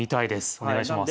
お願いします。